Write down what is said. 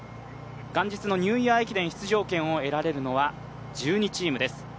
元日のニューイヤー駅伝出場権を得られるのは１２チームです。